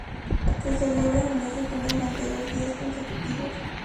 Se celebra en el mes de junio durante dos días consecutivos.